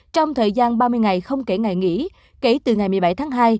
trong thời gian ba mươi ngày không kể ngày nghỉ kể từ ngày một mươi bảy tháng hai